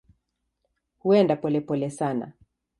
Huenda polepole sana.